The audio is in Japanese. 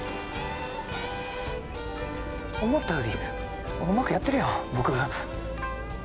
思ったよりうまくやってるやん僕。